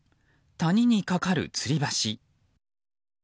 谷に架かるつり橋。